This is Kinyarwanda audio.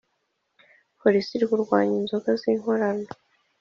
polisi irikurwanya inzoga zinkorano